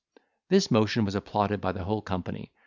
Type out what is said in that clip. This motion was applauded by the whole company.